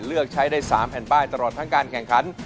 เลือกใช้ได้๓แผ่นป้ายตลอดทั้งการแข่งขัน